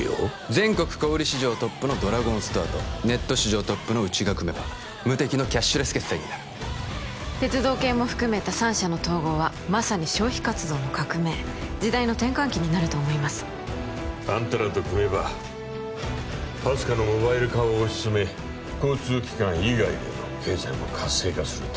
全国小売市場トップのドラゴンストアとネット市場トップのうちが組めば無敵のキャッシュレス決済になる鉄道系も含めた３社の統合はまさに消費活動の革命時代の転換期になると思いますあんたらと組めばＰＡＳＣＡのモバイル化を推し進め交通機関以外での経済も活性化すると？